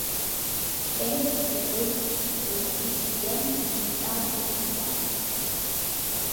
Sendas e loipas d’eiran quist inviern in ün stadi exemplaric.